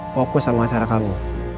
fokus sama acara kamu